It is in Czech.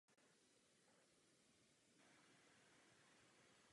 Je to první učebnice houslové hry českého autora.